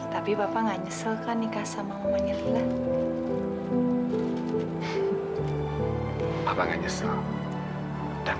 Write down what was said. tapi bapak gak nyesel kan nikah sama mamanya lila